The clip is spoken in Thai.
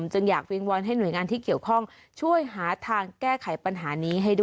ให้ด้วยนะคะ